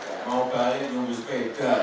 lama baru pak ikut di kejar